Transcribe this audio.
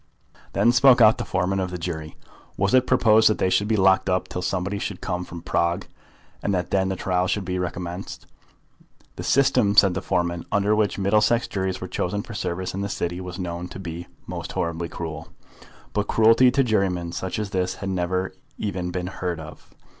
Then spoke out the foreman of the jury. Was it proposed that they should be locked up till somebody should come from Prague, and that then the trial should be recommenced? The system, said the foreman, under which Middlesex juries were chosen for service in the City was known to be most horribly cruel; but cruelty to jurymen such as this had never even been heard of.